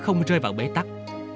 sẽ không rơi vào bế tắc